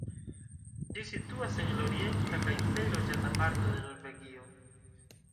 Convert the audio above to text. Ĝi situas en la orienta kaj plej loĝata parto de Norvegio.